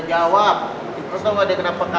jadi gue ikutan juga